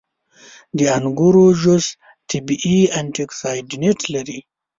• د انګورو جوس طبیعي انټياکسیدنټ لري.